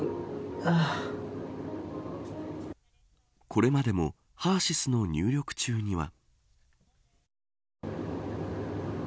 これまでもＨＥＲ‐ＳＹＳの入力中には。